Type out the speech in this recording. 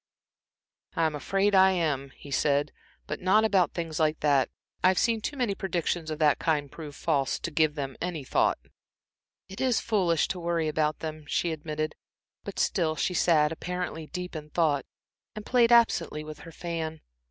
"I'm afraid I am," he said, "but not about things like that. I've seen too many predictions of the kind prove false, to give them a thought." "It is foolish to worry about them," she admitted, but still she sat apparently deep in thought and played absently with her fan.